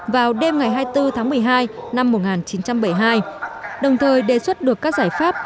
vào đêm ngày hai mươi bốn tháng một mươi hai năm một nghìn chín trăm bảy mươi hai đồng thời đề xuất được các giải pháp